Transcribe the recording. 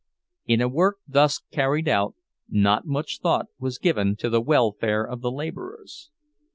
In a work thus carried out, not much thought was given to the welfare of the laborers.